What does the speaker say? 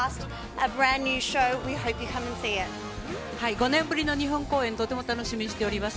◆５年ぶりの日本公演、とても楽しみにしています。